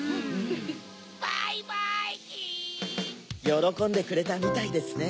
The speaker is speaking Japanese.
よろこんでくれたみたいですね。